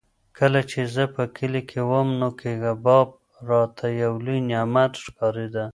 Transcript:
کله چې زه په کلي کې وم نو کباب راته یو لوی نعمت ښکارېده.